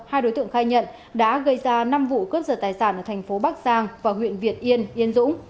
hai đối tượng khai nhận đã gây ra năm vụ cướp giật tài sản ở thành phố bắc giang và huyện việt yên yên dũng